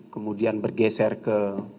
kemudian bergeser ke